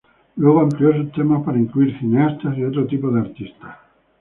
Luego amplió sus temas para incluir cineastas y otro tipo de artistas.